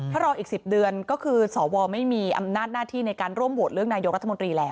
ถ้ารออีก๑๐เดือนก็คือสวไม่มีอำนาจหน้าที่ในการร่วมโหวตเลือกนายกรัฐมนตรีแล้ว